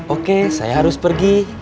oke saya harus pergi